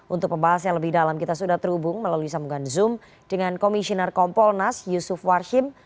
untuk pembahas yang lebih dalam kita sudah terhubung melalui sambungan zoom dengan komisioner kompolnas yusuf warhim